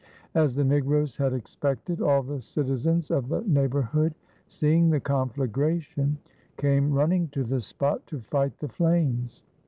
As the negroes had expected, all the citizens of the neighborhood, seeing the conflagration, came running to the spot to fight the flames.